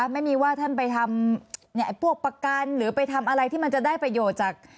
ไม่มีว่าท่านไปทำพวกประกันหรือไปทำอะไรที่มันจะได้ประโยชน์จาก